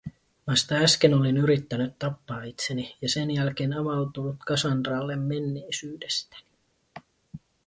vasta äsken olin yrittänyt tappaa itseni, ja sen jälkeen avautunut Cassandralle menneisyydestäni.